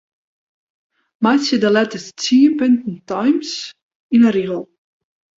Meitsje de letters tsien punten Times yn 'e rigel.